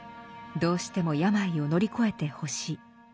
どうしても病を乗り越えてほしい。